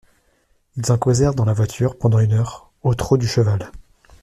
Ils en causèrent dans la voiture, pendant une heure, au trot du cheval.